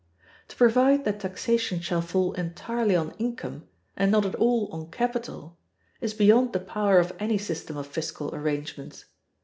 To provide that taxation shall fall entirely on income, and not at all on capital, is beyond the power of any system of fiscal arrangements.